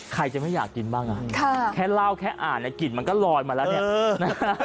ใครจะไม่อยากกินบ้างอ่ะค่ะแค่เล่าแค่อ่านในกลิ่นมันก็ลอยมาแล้วเนี่ยนะฮะ